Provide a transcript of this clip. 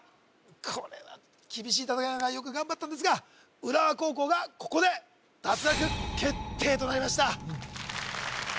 これは厳しい戦いながらよく頑張ったんですが浦和高校がここで脱落決定となりました